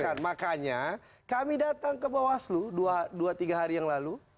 bukan makanya kami datang ke bawaslu dua tiga hari yang lalu